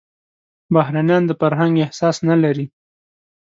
بهرنيان د فرهنګ احساس نه لري.